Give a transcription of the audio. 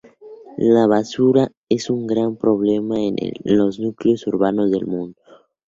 La basura es un gran problema en los núcleos urbanos del mundo.